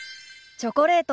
チョコレート。